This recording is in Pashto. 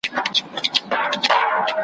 هم هوښيار وو هم عادل پر خلكو گران وو `